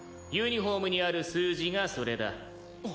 ユニホームにある数字がそれだ。